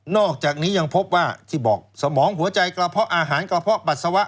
อกจากนี้ยังพบว่าที่บอกสมองหัวใจกระเพาะอาหารกระเพาะปัสสาวะ